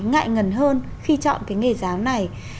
ngại ngần hơn khi chọn cái nghề giáo này